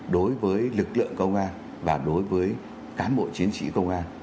đối với lực lượng công an và đối với cán bộ chiến sĩ công an